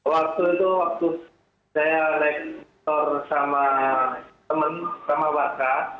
waktu itu waktu saya rektor sama teman sama wajah